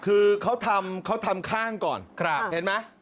คือเขาทำข้างก่อนเห็นไหม